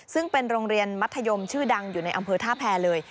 ซึ่งเป็นโรงเรียนมัธยมชื่อดังอยู่ในอำเภอท่าแพรเลย